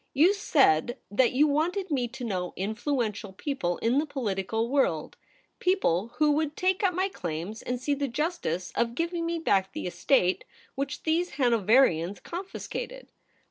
You said that you wanted me to know influential people in the political world — people who would take up my claims and see the justice of giving me back the estate which these Hanoverians con fiscated.